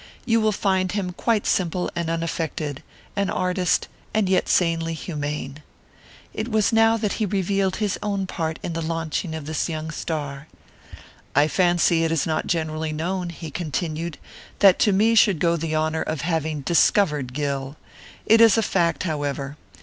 'You will find him quite simple and unaffected, an artist, and yet sanely human.' It was now that he revealed his own part in the launching of this young star. 'I fancy it is not generally known,' he continued, 'that to me should go the honour of having "discovered" Gill. It is a fact, however.